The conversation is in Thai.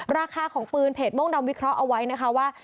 ราคาของปืนเพจโม่งดำวิเคราะห์เอาไว้นะคะว่า